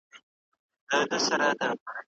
چارواکي دې د اقتصاد په اړه پریکړې وکړي.